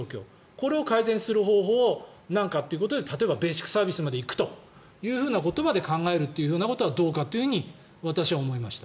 これを改善する方法を何かということで例えばベーシックサービスまで行くということまで考えるということはどうかと私は思いました。